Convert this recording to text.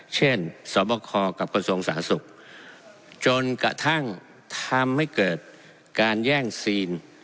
เช่นสวบคกับคสสจนกระทั่งทำให้เกิดการแย่งซีน